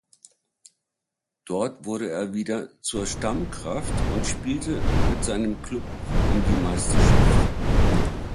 Dort wurde er wieder zur Stammkraft und spielte mit seinem Klub um die Meisterschaft.